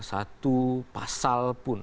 satu pasal pun